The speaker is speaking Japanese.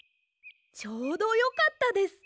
ちょうどよかったです。